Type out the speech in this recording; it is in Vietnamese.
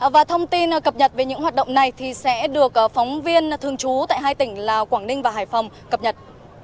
và thông tin cập nhật về những hoạt động này sẽ được phóng viên thường trú tại hai tỉnh là quảng ninh và hải phòng cập nhật